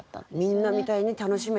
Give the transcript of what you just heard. みんなみたいに楽しめてない。